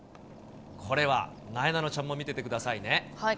これは、なえなのちゃんも見ててくださいね。